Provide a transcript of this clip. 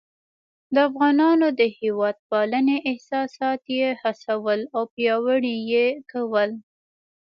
د افغانانو د هیواد پالنې احساسات یې هڅول او پیاوړي یې کول.